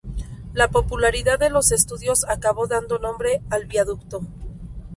La popularidad de los estudios acabó dando nombre al viaducto.